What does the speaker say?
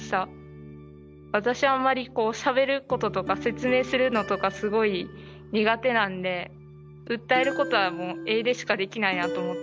私はあんまりこうしゃべることとか説明するのとかすごい苦手なんで訴えることはもう絵でしかできないなと思ったんで。